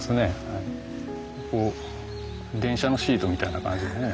電車のシートみたいな感じでね